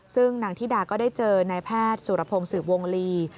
ซึ่งนางธิดาก็ได้เจอนายแพทย์สุรพงศ์สืบวงลี